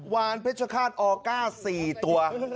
วานเพชรฆาตออก้า๔ตัว